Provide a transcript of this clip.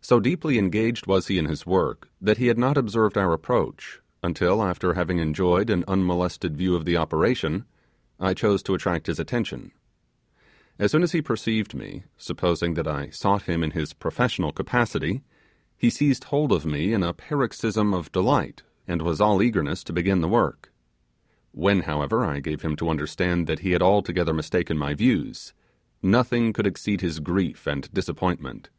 So deeply engaged was he in his work, that he had not observed our approach, until, after having, enjoyed an unmolested view of the operation, I chose to attract his attention. As soon as he perceived me, supposing that I sought him in his professional capacity, he seized hold of me in a paroxysm of delight, and was an eagerness to begin the work. When, however, I gave him to understand that he had altogether mistaken my views, nothing could exceed his grief and disappointment.